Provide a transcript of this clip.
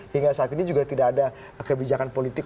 hingga saat ini juga tidak ada kebijakan politik